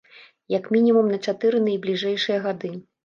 Як мінімум на чатыры найбліжэйшыя гады.